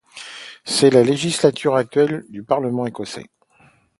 C'est la législature actuelle du Parlement écossais.